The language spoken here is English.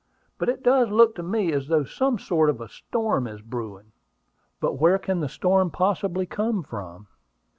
But it does look to me as though some sort of a storm is brewing." "But where can the storm possibly come from?"